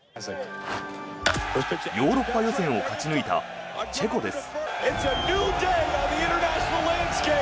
ヨーロッパ予選を勝ち抜いたチェコです。